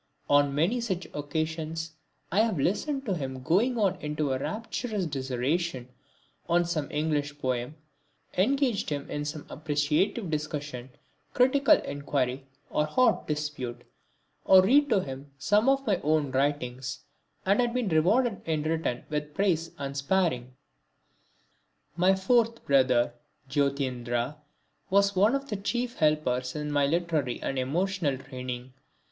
On many such occasions I have listened to him going into a rapturous dissertation on some English poem; engaged him in some appreciative discussion, critical inquiry, or hot dispute; or read to him some of my own writings and been rewarded in return with praise unsparing. My fourth brother Jyotirindra was one of the chief helpers in my literary and emotional training.